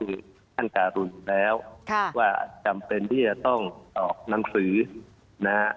ที่ถั่งการุนแล้วค่ะว่าจำเป็นที่จะต้องออกหนังสือนะ